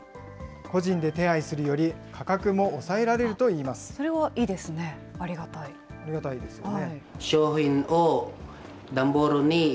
個人で手配するより価格も抑えらそれはいいですね、ありがたありがたいですよね。